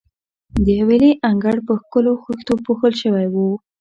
د حویلۍ انګړ په ښکلو خښتو پوښل شوی وو.